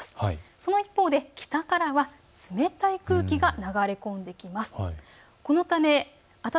その一方で北から冷たい空気が入ってきます。